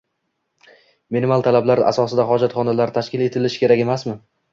minimal talablar asosida xojatxonalar tashkil etilishi kerak emasmi?